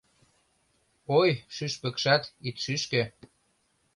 Ой, шӱшпыкшат, ит шӱшкӧ, -